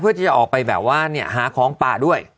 เพื่อจะออกไปหาของปลาด้วย